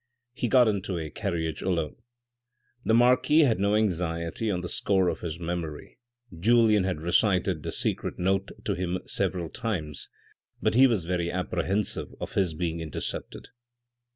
He got into a carriage alone. The marquis had no anxiety on the score of his memory. Julien had recited the secret note to him several times but he was very apprehensive of his being intercepted.